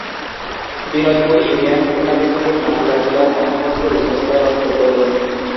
Binodpur union Khulna বিভাগের মাগুরা জেলার মহম্মদপুর উপজেলার অন্তর্গত।